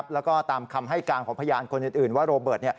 แล้วก็ตามคำให้การของพยานคนอื่นว่าโรเบิร์ต